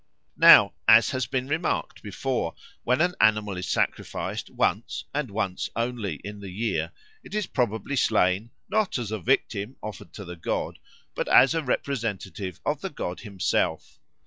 Now, as has been remarked before, when an animal is sacrificed once and once only in the year, it is probably slain, not as a victim offered to the god, but as a representative of the god himself.